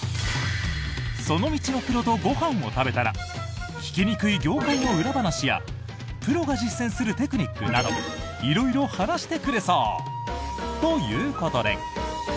その道のプロとご飯を食べたら聞きにくい業界の裏話やプロが実践するテクニックなど色々、話してくれそう！ということで。